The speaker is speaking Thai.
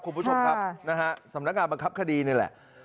คุณผู้ชมครับนะฮะสำนักงานบังคับคดีนี่แหละ